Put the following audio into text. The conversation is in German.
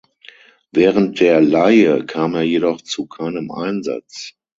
Während der Leihe kam er jedoch zu keinem Einsatz.